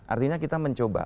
artinya kita mencoba